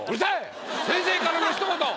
先生からの一言。